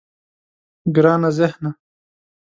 گرانه ذهنه.